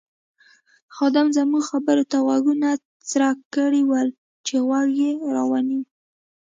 خادم زموږ خبرو ته غوږونه څرک کړي ول چې غوږ یې را ونیو.